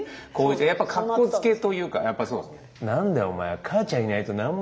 やっぱかっこつけというかやっぱりそうです。